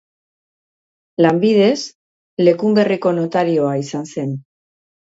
Lanbidez, Lekunberriko notarioa izan zen.